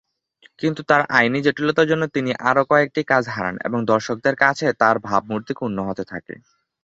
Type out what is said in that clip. কিন্তু তার আইনি জটিলতার জন্য তিনি আরও কয়েকটি কাজ হারান এবং দর্শকদের কাছে তার ভাবমূর্তি ক্ষুণ্ণ হতে থাকে।